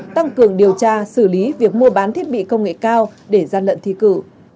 tăng cường điều tra xử lý việc mua bán thiết bị công nghệ cao để gian lận thi cử